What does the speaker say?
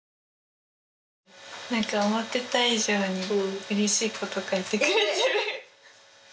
なんか思ってた以上にうれしいこと書いてくれてる。